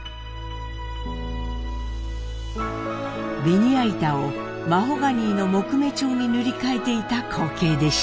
べニヤ板をマホガニーの木目調に塗り替えていた光景でした。